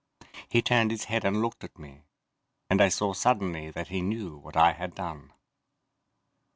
He turned his head and looked at me, and I saw suddenly that he knew what I had done.